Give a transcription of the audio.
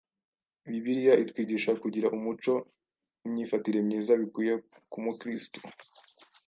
Bibiliya itwigisha kugira umuco n’imyifatire myiza bikwiye ku mukristu